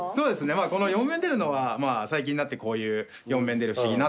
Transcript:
まぁこの４面出るのは最近になってこういう４面出る不思議なってとこなんですけど。